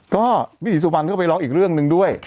ก็วิสีก็ไปร้องอีกเรื่องหนึ่งด้วย